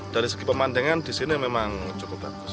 dari segi pemandangan disini memang cukup bagus